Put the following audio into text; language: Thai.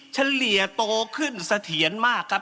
เฉลี่ยโตขึ้นเสถียรมากครับ